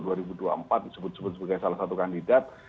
disebut sebut sebagai salah satu kandidat